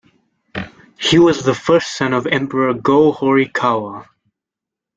He was the first son of Emperor Go-Horikawa.